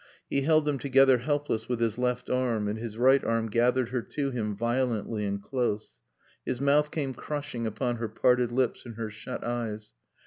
He held them together helpless with his left arm and his right arm gathered her to him violently and close. His mouth came crushing upon her parted lips and her shut eyes.